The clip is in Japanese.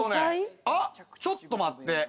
ちょっと待って。